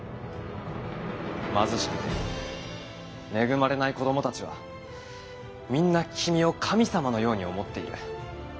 貧しくて恵まれない子どもたちはみんな君を神様のように思っている。